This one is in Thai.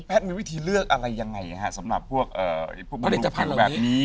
แพทย์มีวิธีเลือกอะไรยังไงค่ะสำหรับพวกพวกมนุษยภัณฑ์แบบนี้